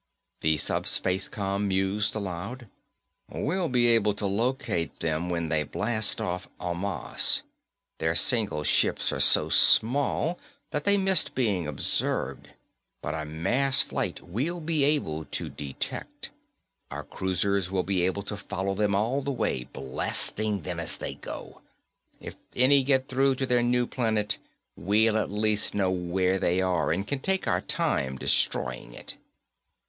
The SupSpaceCom mused aloud. "We'll be able to locate them when they blast off en masse. Their single ships are so small that they missed being observed, but a mass flight we'll be able to detect. Our cruisers will be able to follow them all the way, blasting them as they go. If any get through to their new planet, we'll at least know where they are and can take our time destroying it."